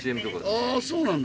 あそうなんだ。